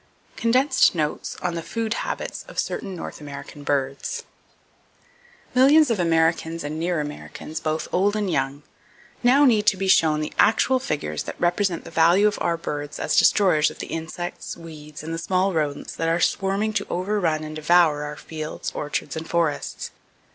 Condensed Notes On The Food Habits Of Certain North American Birds. Millions of Americans and near Americans, both old and young, now need to be shown the actual figures that represent the value of our birds as destroyers of the insects, weeds and the small rodents that are swarming to overrun and devour our fields, orchards and forests.